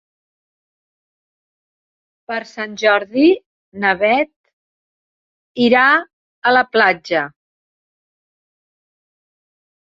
Per Sant Jordi na Bet irà a la platja.